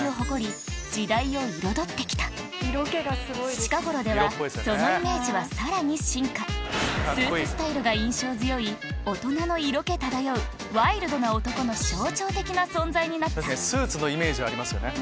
近頃ではそのイメージはさらに進化スーツスタイルが印象強い大人の色気漂うワイルドな男の象徴的な存在になった確かにスーツのイメージはありますよね。